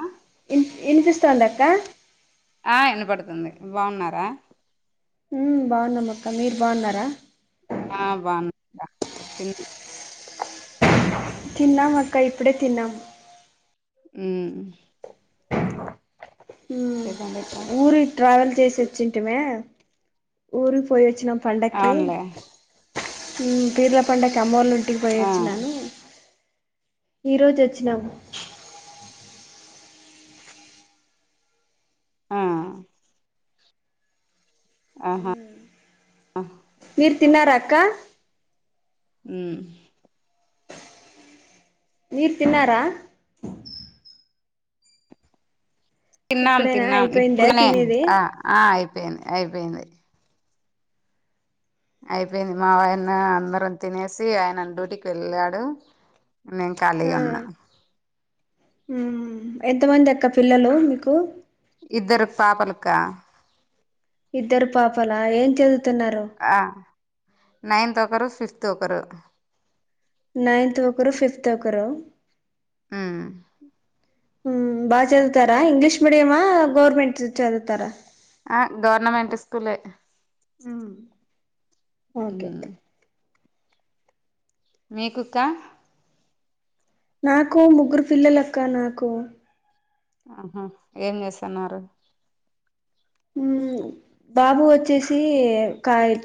ఆ ఇన్ ఇనిపిస్తుందక్క ఆ ఇనపడుతుంది బాగున్నారా ఊ బాగున్నమ్మక్క మీరు బాగున్నారా ఆ బాను తిన్నాం అక్క ఇప్పుడే తిన్నాము ఊ ఊ చెప్పండి అక్క ఊరి ట్రావెల్ చేసి వచ్చింటిమే ఊరికి పోయి వచ్చినాం పండకి అవునులే ఊ పీర్ల పండకి అమ్మోల్ నుంటికి ఆ పోయిచ్చినాను ఈ రోజు వచ్చినాము ఆ ఆహా మీరు తిన్నారా అక్క ఊ మీరు తిన్నారా తిన్నాం ఇప్పుడేనా తిన్నాం అయిపోయిందా ఇప్పుడుకనే తినేది ఆ ఆ అయిపోయింది అయిపోయింది అయిపోయింది మా వాయన అందరం తినేసి ఆయన డ్యూటికి వెళ్ళాడు నేన్ ఖాళీగా ఉన్న ఊ ఎంతమంది అక్క పిల్లలు మీకు ఇద్దరు పాపలక్క ఇద్దరు పాపలా ఏం చదువుతున్నారు ఆ నైన్త్ ఒకరు ఫిఫ్త్ ఒకరు నైన్త్ ఒకరు ఫిఫ్త్ ఒకరు ఉమ్ ఊ బాగా చదువుతారా ఇంగ్లీష్ మీడియమా గవర్నమెంట్ చదువుతారా ఆ గవర్నమెంట్ స్కూలే ఊ ఊ మీకు అక్క. నాకు ముగ్గురు పిల్లలక్క అక్క నాకు. ఆహా ఏం చేస్తున్నారు. హ్మ్. బాబు వచ్చేసి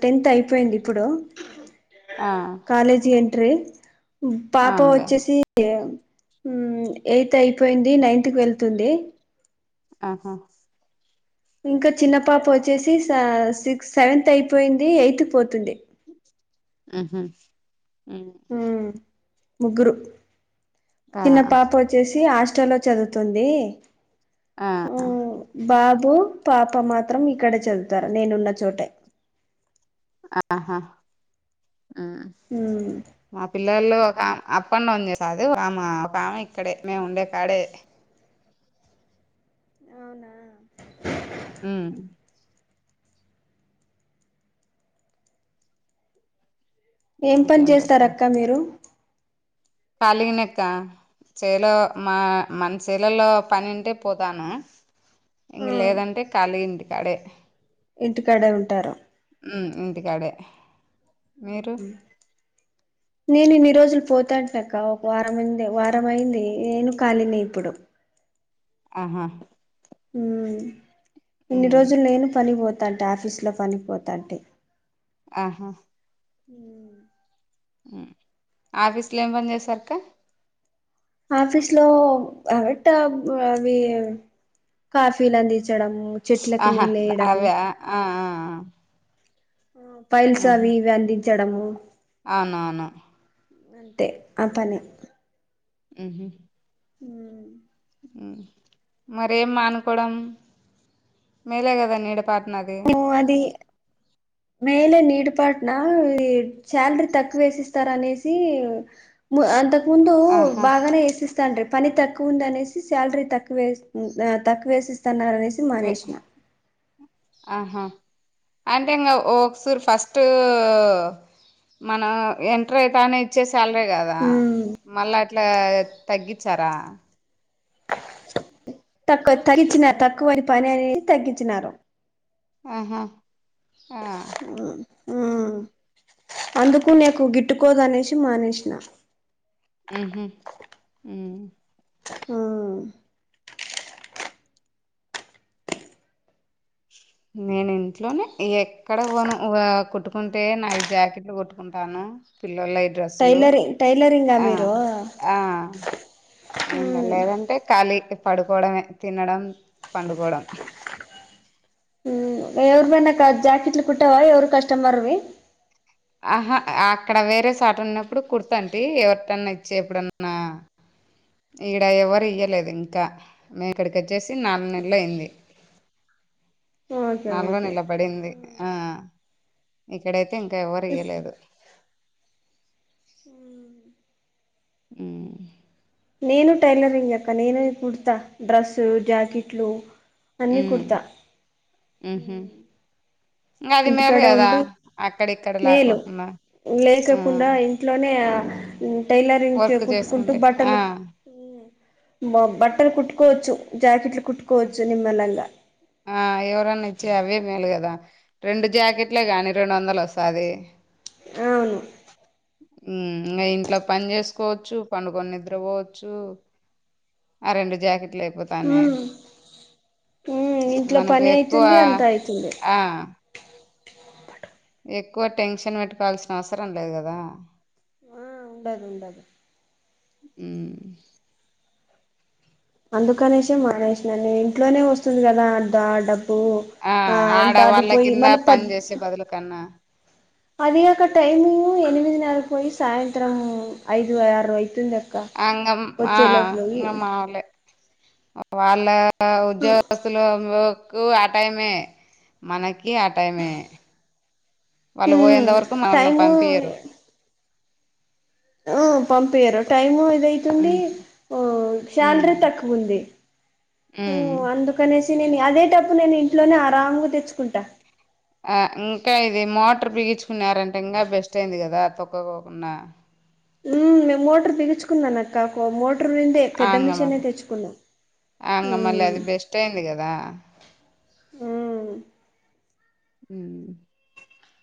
టెన్త్ అయిపోయింది ఇప్పుడు. ఆ. కాలేజీ ఎంట్రీ పాప అవునులే వచ్చేసి. ఎయిత్ అయిపోయింది నైన్త్ కు వెళ్తుంది. ఆహా. ఇంకా చిన్న పాప వచ్చేసి స సిక్స్ సెవెంత అయిపోయింది ఎయిత్ కు పోతుంది. ఉహు హ్మ్. హుమ్ ముగ్గురు. ఆ వచ్చేసి హాస్టల్లో చదువుతుంది. ఆ పాప మాత్రం ఇక్కడే చదువుతారు నేనున్న చోటే. ఆహా ఉమ్. ఉమ్. మా పిల్లలు ఒక ఆ అప్ అండ్ డౌన్ చేస్తదు ఆమ ఒక ఆమె ఇక్కడే మేము ఉండే కాడే. అవునా. ఉమ్. ఏం పని ఇంకేంటక్క చేస్తారు అక్క మీరు. కళీగినెక్క చేలో మా మన చేలలో పనింటే పోతాను. ఇంగ ఆ లేదంటే కలి ఇంటి కాడే. ఇంటికాడే ఉంటార. హ్మ్ ఇంటికాడే. మీరు ఆ నేను ఇన్ని రోజులు పోతాంటక ఒక వారం అయింది వారం అయింది నేను కాలిని ఇప్పుడు. ఆహా. ఇన్ని ఉమ్ రోజులు నేను పని పోతాంటే ఆఫీస్లో పనిపోతాంటే. ఆహా. ఆఫీస్ లో ఏం పని చేసారుక్క. ఆఫీస్ లో అబట్ అవి. కాఫీలు అందించడం. ఆహా అవ ఆ ఆ. పైల్స్ అవి ఇవి అందించడము. అవునావును. అంటే ఆ పని. ఆహ. ఉమ్. మరేం మానుకోవడం మేలే కదా నీడపాటన అది. పో అది. మేలే నీడిపాటున ఈ శాలరీ తక్కువేసిస్తార అనేసి. అంతకు ముందు ఆహా బాగానే వేసిస్త. స్త పని తక్కువ ఉంది అనేసి శాలరీ తక్కువే తక్కువేస్తున్నారునేసి. ఆహా. అంటే ఇంగా ఒకసూరు ఫస్ట్. మనం ఎంటర్ అవుతానే ఇచ్చే శాలరీ కాదు దా మళ్ళా అట్లా తగ్గించారా తక్కువ తగించినారు తక్కువ పని అది తగ్గించినారు ఆహా ఆ అందుకు నీకు గిట్టుకోదు అనేసి మానేసిన మ్ హు నేను ఇంట్లోనే ఎక్కడ పోను కుట్టుకుంటే నాలుగు జాకెట్లు కుట్టుకు ఉంటాను పిల్లలయి డ్రె టైలరి టైలరింగా మీరు ఆ ఏం లేదంటే ఖాళీ పడుకోవడంమే తినడం పండుకోవడం ఎవరివన్న నా క జాకెట్లు కుట్టావా ఎవరు కస్టమర్వి ఆహా అక్కడ వేరే సాట ఉన్నప్పుడు కుర్తంటీ ఎవరిటన్నా ఇచ్చే ఎప్పుడన్నా ఈక్కడ ఎవరు ఇయలేదు ఇంకా మేము ఇక్కడికి వచ్చేసి నాలుగు నెలలుయింది ఓకే నల్గో ఓకే నెల పడింది ఆ ఇక్కడైతే ఇంకా ఎవరు ఇయలేదు ఆ నేను టైలరింగ్ అక్క నేను కుడతా డ్రెస్ జాకెట్లు ఉ అన్ని కుడతా ఉహు అది మేలు ఇంటికాడ కదా ఉండి అక్కడిక్కడ మేలు లాకోకున్న ఆ లేకకుండా ఇంట్లోనే అ ఉ టైలరింగ్ వర్క్ కుట్టుకుంటూ చేసుకుంటే బట్టలు ఆ బ ఆ బట్టలు కుట్టుకోవచ్చు జాకెట్లు కుట్టుకోవచ్చు నిమ్మలంగా ఆ ఎవరనా ఇచ్చి అవే మేలు కదా రెండు జాకెట్లే గాని రెండు వందలు వస్తాది అవును ఇకా ఇంట్లో పని చేసుకోవచ్చు పండుకోని నిద్ర పోవచ్చు ఆ రెండు జాకెట్లు అయిపోతానే ఇంట్లో మనకు పని ఎక్కువ అయితుంది అంతా అయితుంది ఆ ఎక్కువ టెన్షన్ పెట్టుకోల్సిన అవసరం లేదు కదా ఆ ఉండదు ఉండదు ఉ అందుకనేసే మానేసినండి ఇంట్లోనే వస్తుంది కదా దా డబ్బు ఆ దాటిపోయి మళ్లి పద్ కన్న అది గాక టైము ఎనిమిది నరకి పోయి సాయంత్రం ఐదు ఆరు అయితుంది అంగ ఆ వచ్చే లోపల మావొళ్ళే వాళ్ళ ఉద్యోగ స్తులకు ఆ టైమే మనకి ఆ టైమే వాళ్ళు ఉమ్ పోయేంత వరకు మనల్ని టైము పంపియరు ఆ పంపయరు టైము ఇదై తుంది ఉమ్ ఉమ్ శాలరీ తక్కువ ఉంది ఉమ్ అందుకు అనేసి నేను అదే డబ్బు నేను ఇంట్లోనే ఆరామ్గా తెచ్చుకుంటా ఆ ఇంకా ఇది మోటర్ పిగించుకున్నారంటే ఇంకా బెస్ట్ అయింది కదా తొక్కకోకుండా మేము మోటర్ బిగుచ్చుకున్నాను అక్క కాకో మోటర్ నిందే ఆ పెద్ద ఇంగ మిషనే మళ్ళీ తెచ్చుకున్నాం ఉ ట్ అయింది కదా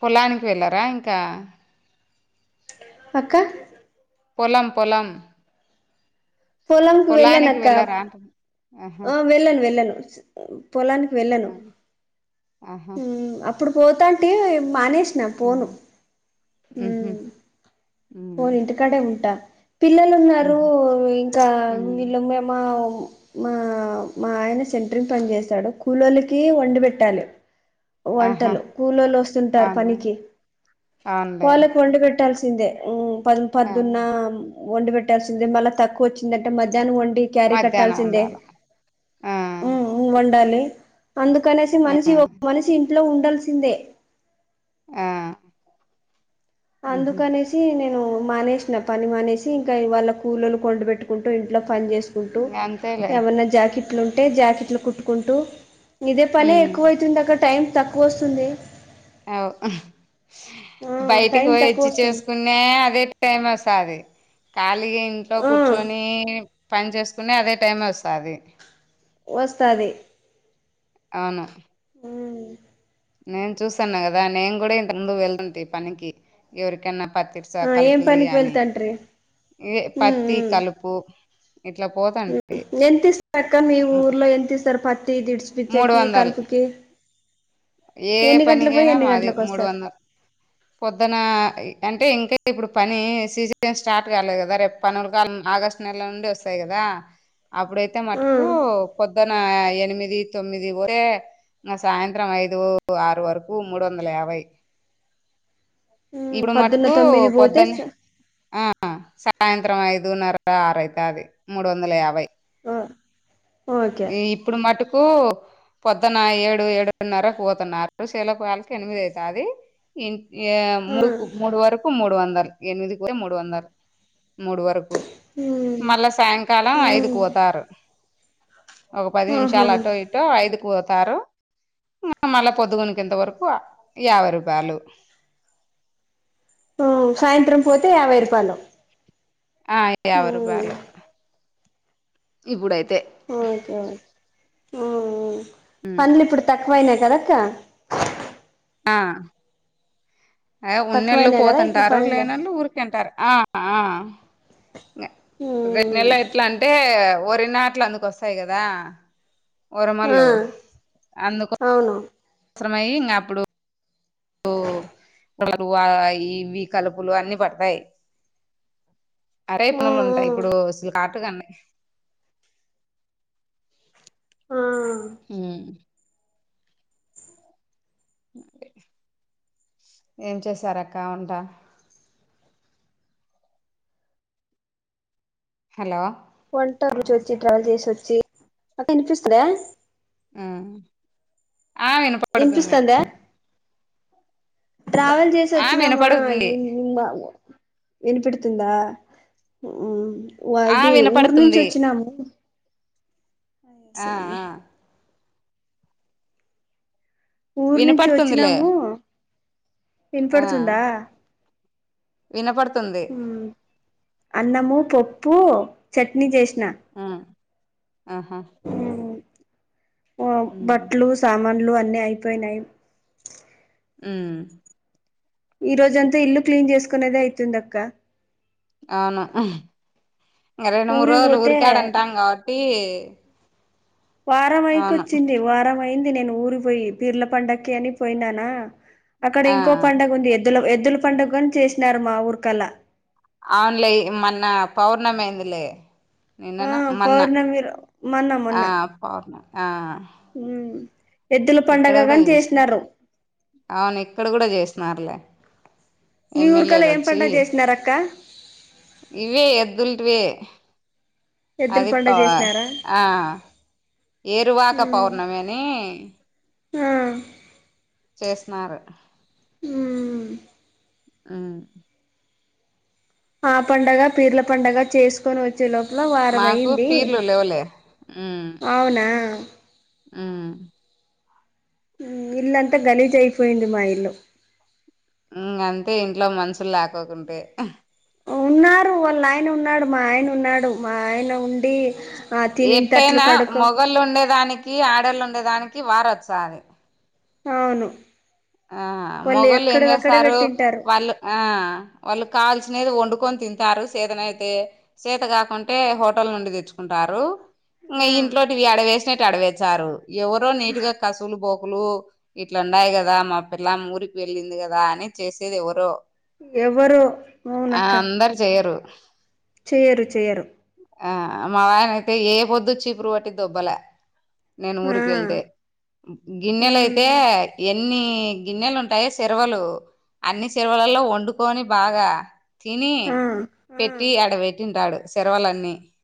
పొలానికి వెళ్ళారా ఇంకా అక్క పొలం పొలం పొలంకి పొలానికి వెళ్లానక్క వెళ్ళారా అంటున్న ఆహా ఆ వెళ్ళను వెళ్ళను పొలానికి వెళ్ళను ఆ, ఆహా ఉ అప్ అప్పుడు పోతాంటే మానేస్ నా ఉమ్ పోను ఉ ఉహు ఉమ్ పోను ఇంటికాడే ఉంటా పిల్లలు ఉన్నారు ఉహు ఇంకా ఉమ్ వీళ్ళు మేమ మా మా ఆయన సెంటరింగ్ పని చేస్తాడు కూలొల్లకి వండి పెట్టాలి ఆహా వంటలు కూలోలు వస్తుంటారు అవును పనికి అవునులే వాళ్ళకి వండ పెట్టాల్సి తిందే ప ఆ పద్దున్న వండి పెట్టాల్సిందే మళ్ళా తక్కువ వచ్చిందంటే మధ్యాహ్నం వండి. క్యారీ మధ్యాహ్నం కట్టాల్సిందే ఉండాల ఆ ఉ ఉ వండాలి అందుకనేసి మనిషి ఒక మనిషి ఇంట్లో ఉండాల్సిందే. ఆ ఉహు అందుకనేస్ తి నేను మానేసిన పని మానేసి ఇంకా వాళ్ళ కుల్లోళ్ళకి వండి పెట్టుకుంటూ ఇంట్లో పని చేస్ కుంటూ అంతేలే ఏవన్నా జాకెట్లు ఉంటే జాకెట్లు కుట్టుకుంటూ ఇదే పనే ఉమ్ ఎక్కువ అయితుంది అక్క టైం తక్కువ వస్తుంది. అవు ఆ బయటికి టైం తక్కువ పోయొచ్చి వస్తుంది చేసుకు న్న అదే టైమ్ వస్తాది కాళీగా ఇంట్లో ఆ కూర్చొని పని చేస్ కున్న అదే టైమే వస్తది వస్తాది అవును ఉ నేను చూసాను కదా నేను కూడా ఇంతకు ముందు వెళ్ళుంటి పనికి ఎవరికన్నా పత్తి స ఆ ఏం కలుపులు ది పనికి కాని వెళ్తాంట్రీ ఏ పత్తి కలుపు ఇట్లా పోతంటి ఎంతీస్తారు అక్క మీ ఊర్లో ఎంత ఇస్తారు పత్తి ఇది ఇస్. మూడు పిచ్చేకి వందలు కలుపుకి ఏ ఎన్ని గంటలు పోయి పనికైనా ఎన్ని మాది గంటలకు మూడు వస్తారు. వందలు పొద్దున అంటే ఇంకా ఇప్పుడు పని సీజన్ స్టార్ట్ కాలేదు కదా రేపు పనులు కాలం ఆగస్టు నెల నుండి వస్తాయి కదా. అప్పుడైతే ఆ మటుకు పొద్దున ఎనిమిది తొమ్మిది పోతే ఇంకా సాయంత్రం ఐదు ఆరు వరకు మూడు వందల యాభై అ ఇప్పుడు మటుకు పొద్దనే ఆ సాయంత్రం ఐదున్నరకి ఆరైతది మూడు వందల యాభై ఆ ఓకే ఇప్పుడు మటు కు పొద్దన ఏడు ఏడున్నరకు పోతన్నారు చేల్లకు పోయాళ్ళకి ఎనిమిది అయితాది. ఇంకే ఆ మూడుకు మూడు వరకు మూడు వందలు ఎనిమిది కూడా మూడు వందలు మూడు వరకు మ్మ్ మళ్ళా సాయంకాల ఐదుకి మ్మ్ పోతారు ఒక పది ఆహా నిమిషాలు అట్ ఇంకా ఐదుకి పోతారు మళ్ళా పొద్దుగునుకింత వరకు యాభై రూపాయలు. ఉ సాయంత్రం పోతే యాభై రూపాయలు. ఆ యాభై మ్మ్ రూపాయలు ఇప్పుడైతే ఓకే ఓకే ఉ పనులు ఇప్పుడు తక్కువైనాయి కదక్క. ఆ ఆ ఉన్నోల్లు తక్కువయినాయి కదా ఇప్పుడు పోతంటారు పనులు లేనోల్లు ఊరికే ఉంటారు ఆ అ మ్మ్ వెన్నెల ఎట్లంటే వరి నాట్లు అందుకొస్ వస్తాయి కదా ఆ గొరమల్లు అందుకు అవును అవసరమై ఇంకా అప్పుడు ఓ కలర్ అయి ఇవి కలుపులు అన్ని పడతాయి అరే మ్మ్ పనులుంటయ్ మ్మ్ ఇప్పుడు అసల్ [unintelligible] ఆ హుమ్ ఏం చేశారక్క వంటా హలో వంట రుచొచ్చి ట్రావెల్ చేసి వచ్చి అక్కా ఇనిపిస్తుందా ఆ ఆ వినపడుతుంది ఇనిపిస్తుందా ట్రావెల్ చేసి ఆ వచ్చినామా వినపడుతుంది బా ఇనపడుతుంద హుమ్ ఆ వాయితి ఊరు నుంచి వినపడుతుంది వచ్చిన్నం ఆ ఆ ఊరు నుంచి వినపడుతుందిలే వచ్చినాము ఆ వినపడుతుందా ఇనపడుతుంది అన్నము పప్పు చట్నీ చేసిన ఆ ఆహా ఆ ఉమ్ బట్లు సామాన్లు అన్ని అయిపోయినాయి హుమ్ ఈ రోజంతా అంతా ఇల్లు క్లీన్ చేసుకునేదే అయితుంది అక్క అవును ఇంక రెండు మూడు ఊరికి రోజులు పోతే ఊరికాడ ఉంటాం కాబట్టి వారం అయికి అవును వచ్చింది వారం అయింది నేను ఊరి పోయి పీర్ల పండకి అని పోయినానా అక్కడ ఆ ఇంకో పండుగ ఉంది ఎద్దుల ఎద్దుల పండగాని చేసినారు మా ఊరికల్ల అవున్లే ఈ మన్న పౌర్ణమైందిలే ఆ నిన్నన్న మన్న పౌర్ణమి రో మొన్న ఆ పౌర్ణమి ఆ హుమ్ ఇక్కడ కూడా చేస అవును ఇక్కడ కూడా చేస్తున్నారులే మీ ఊరికలా ఎమ్మెల్యేలు ఏం వచ్చి పండగ చేసినారక్క ఇవే ఎద్దుల్టివే ఎద్దుల అది పండగ పవా చేసినారా ఆ ఏరువాక ఉమ్, పౌర్ణమి అని ఆ చేస్తున్నారు హుమ్ హుమ్ ఆ పండగ పీర్ల పండగ చేసుకొని వచ్ వచ్చే లోపల వారం మాకు అయింది పీర్లు లేవులే అవునా హుమ్ ఇల్లంతా గలీజ్ అయిపోయింది మా ఇల్లు హుమ్ అంతే ఇంట్లో మనుషులు లాకోకుంటే ఉన్నారు వాళ్ళ నాయన ఉన్నాడు మా ఆయన ఉన్నాడు మా ఆయన ఉండి ఆ తినిన తట్లు ఎట్టైనా కడుకో మొగోళ్ళు ఉండేదానికి ఆడోళ్ళు ఉండేదానికి వార్ వచ్చాది అవును ఆ వాళ్ళు మొగోళ్ళు ఏం ఎక్కడివక్కడే చేస్తారు పెట్టింటారు వాళ్ళు ఆ వాళ్ళు కాల్సినది వండుకొని తింటారు సెదన అయితే చేత కాకుంటే హోటల్ నుండి తెచ్చుకుంటారు ఇం ఆ ఇంట్లోటి అడవేసినట్టు అడవేేశారు ఎవరో నీట్ గా కసులు బోకులు ఇట్లాన్నాయి గదా కదా మా పిల్ల ఊరికి వెళ్ళింది గదా అని చేసేది ఎవరో ఎవరు ఆ అందరు చెయ్యరు చేయ్యరు చేయ్యరు ఆ మా ఆయన అయితే ఏ పొద్దు చీపురు పట్టి దొబ్బలే నేను ఆ ఊరికి ఎళ్తే గిన్నెలయితే ఉమ్ కొన్ని గిన్నెలు ఉంటాయా సర్వలు అన్ని సర్వలలో వండుకొని బాగా తిని ఆ పెట్టి ఆ అడ పెట్టింటాడు సర్వలన్నీ